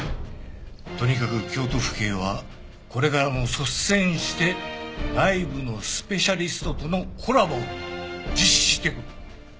とにかく京都府警はこれからも率先して外部のスペシャリストとのコラボを実施していく。